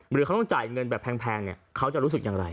หรือเขาต้องจ่ายเงินแบบแพงเนี่ยเขาจะรู้สึกอย่างไร